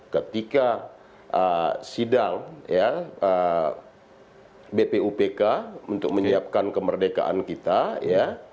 ketika sidang ya bpupk untuk menyiapkan kemerdekaan kita ya